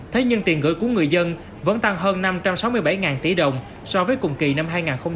thế nhưng tiền gửi của người dân vẫn tăng hơn năm trăm sáu mươi bảy tỷ đồng so với cùng kỳ năm hai nghìn hai mươi ba